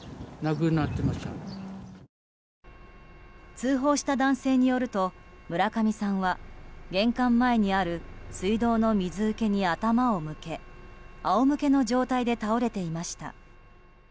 通報した男性によると村上さんは玄関前にある水道の水受けに頭を向け仰向けの状態で倒れていました。